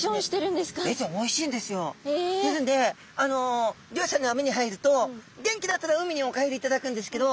あの漁師さんのあみに入ると元気だったら海にお帰りいただくんですけど